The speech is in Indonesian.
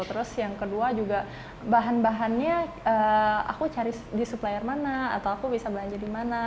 terus yang kedua juga bahan bahannya aku cari di supplier mana atau aku bisa belanja di mana